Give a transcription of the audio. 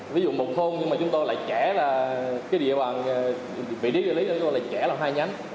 ví dụ một thôn nhưng mà chúng tôi lại trẻ là cái địa bàn vị trí lý là trẻ là hai nhánh